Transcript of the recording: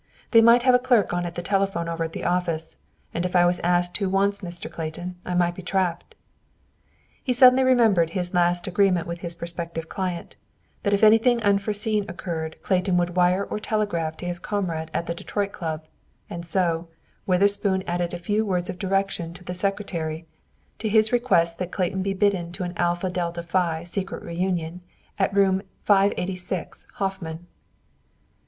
They might have a clerk on at the telephone over at the office, and if I was asked who wants Mr. Clayton, I might be trapped." He suddenly remembered his last agreement with his prospective client, that if anything unforeseen occurred, Clayton would write or telegraph to his comrade at the Detroit Club, and so, Witherspoon added a few words of direction to the secretary, to his request that Clayton be bidden to an "Alpha Delta Phi" secret reunion at Room 586, Hoffman.